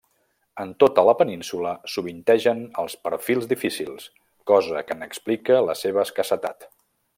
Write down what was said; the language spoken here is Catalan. En tota la península sovintegen els perfils difícils, cosa que n'explica la seva escassetat.